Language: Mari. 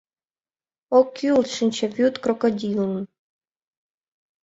Ок кӱл шинчавӱд крокодилын.